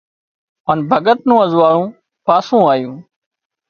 هانَ ڀڳت نُون ازوئاۯون پاسُون آيون